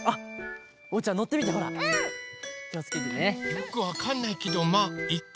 よくわかんないけどまあいっか。